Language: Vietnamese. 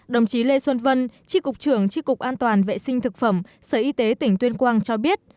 đồng chí lê xuân vân tri cục trưởng tri cục an toàn vệ sinh thực phẩm sở y tế tỉnh tuyên quang cho biết